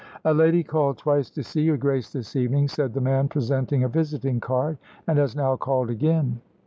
"A lady called twice to see your Grace this evening," said the man, presenting a visiting card, "and has now called again."